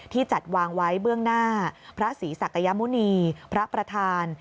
จัดวางไว้เบื้องหน้าพระศรีศักยมุณีพระประธาน